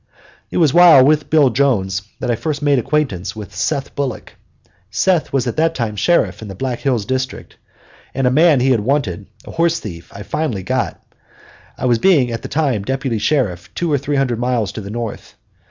It was while with Bill Jones that I first made acquaintance with Seth Bullock. Seth was at that time sheriff in the Black Hills district, and a man he had wanted a horse thief I finally got, I being at the time deputy sheriff two or three hundred miles to the north.